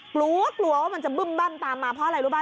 กลัวกลัวว่ามันจะบึ้มบั้มตามมาเพราะอะไรรู้ป่